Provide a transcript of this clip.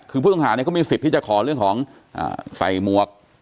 คือผู้ต้องหาเขามีสิทธิ์ที่จะขอเรื่องของใส่หมวก